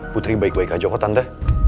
putri baik baik aja kok tante